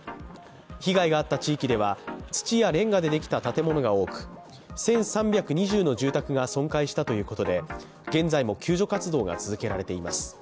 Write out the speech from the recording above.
被害があった地域では土やれんがでできた建物が多く１３２０の住宅が損壊したということで現在も救助活動が続けられています。